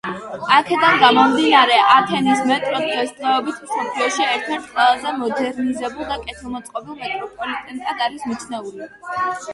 აქედან გამომდინარე, ათენის მეტრო დღესდღეობით მსოფლიოში ერთ-ერთ ყველაზე მოდერნიზებულ და კეთილმოწყობილ მეტროპოლიტენად არის მიჩნეული.